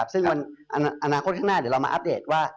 ซึ่งวันอนาคตข้างหน้าเดี๋ยวเรามาอัปเดตว่า